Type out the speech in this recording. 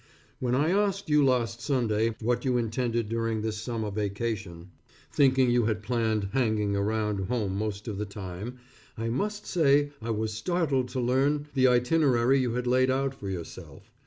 When I asked you last Sunday what you intended doing this summer vacation, thinking you had planned hanging around home most of the time, I must say I was startled to learn the itinerary you had laid out for yourself.